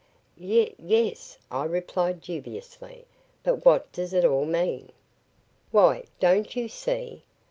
"Y yes," I replied dubiously, "but what does it all mean?" "Why, don't you see?